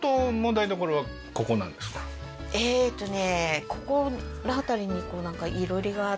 えーっとね